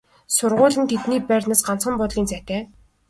Сургууль нь тэдний байрнаас ганцхан буудлын зайтай.